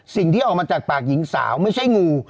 สิ่งที่ออกมาจากปากหญิงสาวไม่ใช่งู